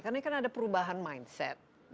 karena ini kan ada perubahan mindset